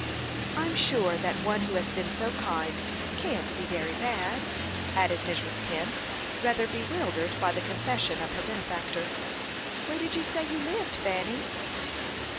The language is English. "I'm sure that one who has been so kind can't be very bad," added Mrs. Kent, rather bewildered by the confession of her benefactor. "Where did you say you lived, Fanny?"